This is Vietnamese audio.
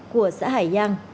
của xã hải giang